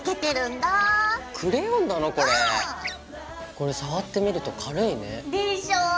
これ触ってみると軽いね。でしょ？